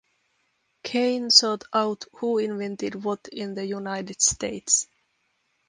Kane sought out who invented what in the United States.